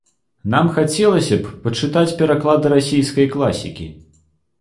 Нам хацелася б пачытаць пераклады расійскай класікі.